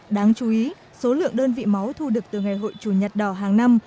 đáng chú ý số lượng đơn vị máu thu được từ ngày hội chủ nhật đỏ hàng năm